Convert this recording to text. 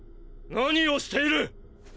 何をしている！！